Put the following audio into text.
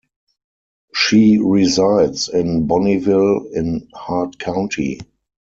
She resides in Bonnieville in Hart County.